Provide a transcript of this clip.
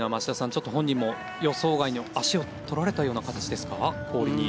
ちょっと本人も予想外の足を取られたような形ですか氷に。